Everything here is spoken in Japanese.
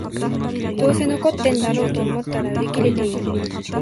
どうせ残ってんだろと思ったら売り切れてる